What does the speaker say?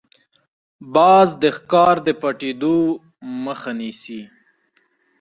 باز د ښکار د پټېدو مخه نیسي